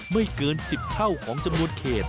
ไม่เกิน๑๐เท่าของจำนวนเขต